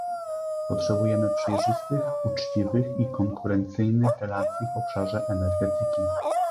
Potrzebujemy przejrzystych, uczciwych i konkurencyjnych relacji w obszarze energetyki